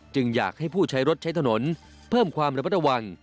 อยากให้ผู้ใช้รถใช้ถนนเพิ่มความระมัดระวัง